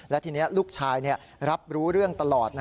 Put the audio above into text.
และทีนี้ลูกชายรับรู้เรื่องตลอด